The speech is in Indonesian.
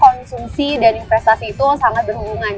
konsumsi dan investasi itu sangat berhubungan